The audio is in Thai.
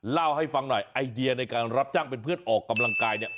เล่าให้ฟังหน่อยไอเดียในการรับจ้างเป็นเพื่อนออกกำลังกายเนี่ย